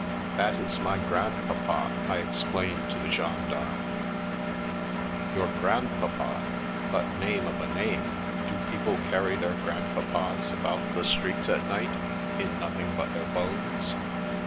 " That is my grandpapa !" I explained to the gen darme. " Your grandpapa ! But, name of a name ! Do peo ple carry their grandpapas about the streets at night, in nothing but their bones